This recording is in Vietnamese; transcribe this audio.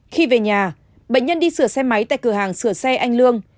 khi về nhà bệnh nhân đi sửa xe máy tại cửa hàng sửa xe anh lương